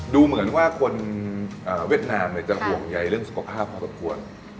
ดูเหมือนว่าคนเวียดนามจะห่วงใยเรื่องสุขภาพพอสมควร